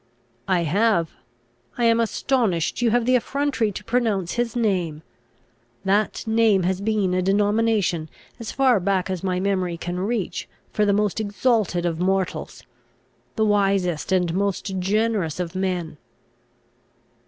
"I have. I am astonished you have the effrontery to pronounce his name. That name has been a denomination, as far back as my memory can reach, for the most exalted of mortals, the wisest and most generous of men."